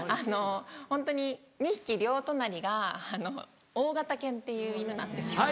ホントに２匹両隣が大型犬っていう犬なんですよ。